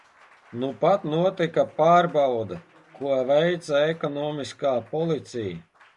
Nupat notika pārbaude, ko veica Ekonomiskā policija.